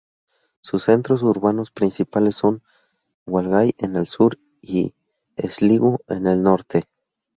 Sus centros urbanos principales son Galway en el sur, y Sligo en el norte.